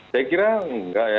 saya kira enggak ya